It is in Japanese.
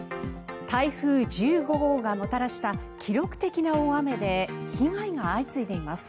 台風１５号がもたらした記録的な大雨で被害が相次いでいます。